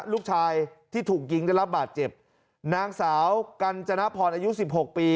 ลูกชายที่ถูกยิงได้รับบาดเจ็บนางสาวกัญจนพรอายุสิบหกปี